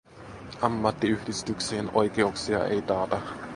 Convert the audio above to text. Ammattiyhdistyksien oikeuksia ei taata.